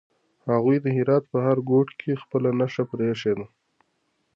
هغوی د هرات په هر ګوټ کې خپله نښه پرېښې ده.